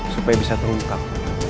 supaya bisa terungkap